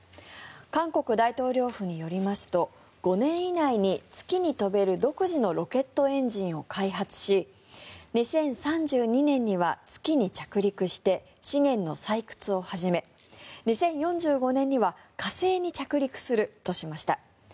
韓国大統領府によりますと５年以内に月に飛べる独自のロケットエンジンを開発し２０３２年には月に着陸して資源の採掘を始め２０４５年には火星に着陸するとしました。